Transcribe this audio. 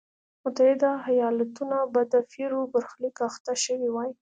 متحده ایالتونه به د پیرو برخلیک اخته شوی وای.